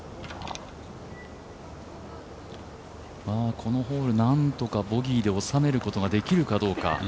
このホール、何とかボギーで収めることができるかどうか。